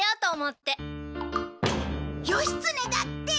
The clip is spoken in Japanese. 義経だって！